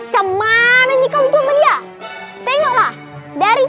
cuman beda katanya doang